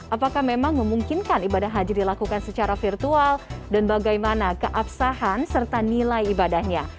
apakah memang memungkinkan ibadah haji dilakukan secara virtual dan bagaimana keabsahan serta nilai ibadahnya